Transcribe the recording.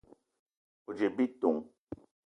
O: djip bitong.